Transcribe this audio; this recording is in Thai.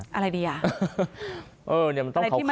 อะไรดีอ่ะฮะเอออันนี้มันต้องขาวข่าว